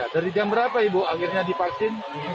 dari jam berapa ibu akhirnya divaksin